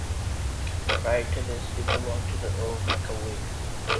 Prior to this, it belonged to the O'Cowigs.